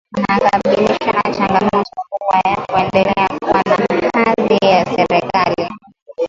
wanakabiliwa na changamoto kubwa ya kuendelea kuwa na hadhi ya kisheria